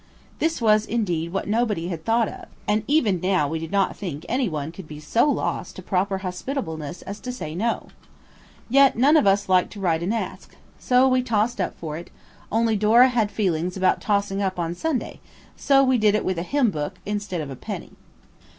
This was, indeed, what nobody had thought of–and even now we did not think any one could be so lost to proper hospitableness as to say no. Yet none of us liked to write and ask. So we tossed up for it, only Dora had feelings about tossing up on Sunday, so we did it with a hymn book instead of a penny.